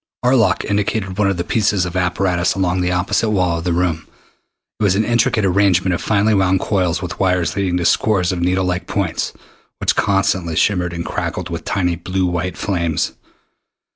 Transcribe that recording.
Arlok indicated one of the pieces of apparatus along the opposite wall of the room. It was an intricate arrangement of finely wound coils with wires leading to scores of needle like points which constantly shimmered and crackled with tiny blue white flames.